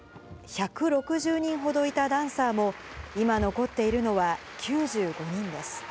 １６０人ほどいたダンサーも、今残っているのは９５人です。